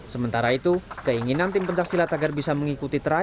sementara itu keinginan tim pencaksilat agar bisa mengikuti